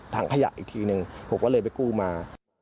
ถังขยะอีกทีหนึ่งผมก็เลยไปกู้มา